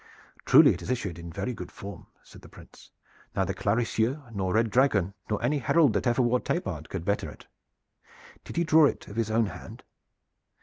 "Truly it is issued in very good form," said the Prince. "Neither Claricieux nor Red Dragon nor any herald that ever wore tabard could better it. Did he draw it of his own hand?"